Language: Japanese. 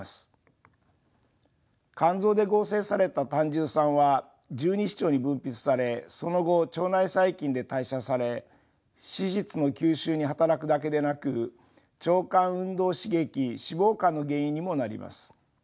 肝臓で合成された胆汁酸は十二指腸に分泌されその後腸内細菌で代謝され脂質の吸収に働くだけでなく腸管運動刺激脂肪肝の原因にもなります。